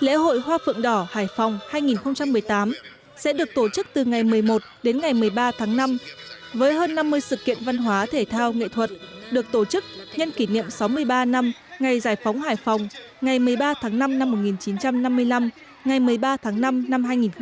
lễ hội hoa phượng đỏ hải phòng hai nghìn một mươi tám sẽ được tổ chức từ ngày một mươi một đến ngày một mươi ba tháng năm với hơn năm mươi sự kiện văn hóa thể thao nghệ thuật được tổ chức nhân kỷ niệm sáu mươi ba năm ngày giải phóng hải phòng ngày một mươi ba tháng năm năm một nghìn chín trăm năm mươi năm ngày một mươi ba tháng năm năm hai nghìn một mươi chín